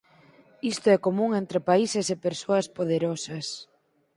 Isto é común entre países e persoas poderosas.